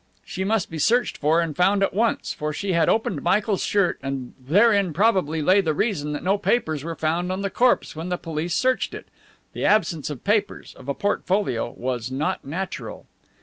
She must be searched for and found at once, for she had opened Michael's shirt, and therein probably lay the reason that no papers were found on the corpse when the police searched it. The absence of papers, of a portfolio, was not natural.